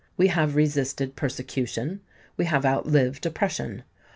We have resisted persecution—we have outlived oppression.